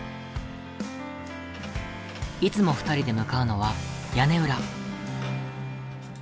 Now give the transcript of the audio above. いつも２人で向かうのは屋根裏。